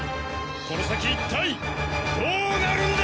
この先いったいどうなるんだ！？